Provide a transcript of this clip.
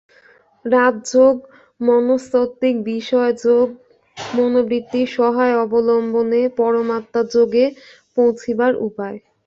রাজযোগ মনস্তত্ত্ববিষয়ক যোগ, মনোবৃত্তির সহায়-অবলম্বনে পরমাত্মযোগে পৌঁছিবার উপায়।